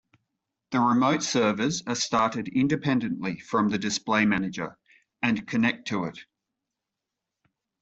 The remote servers are started independently from the display manager and connect to it.